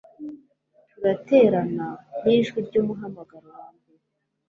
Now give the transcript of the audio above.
turaterana, nijwi ryumuhamagaro wambere